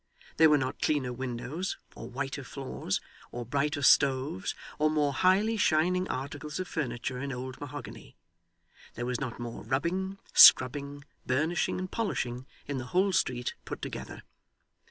There were not cleaner windows, or whiter floors, or brighter Stoves, or more highly shining articles of furniture in old mahogany; there was not more rubbing, scrubbing, burnishing and polishing, in the whole street put together.